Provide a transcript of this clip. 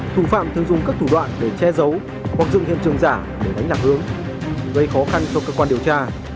thủ phạm thường dùng các thủ đoạn để che giấu hoặc dựng hiện trường giả để đánh lạc hướng gây khó khăn cho cơ quan điều tra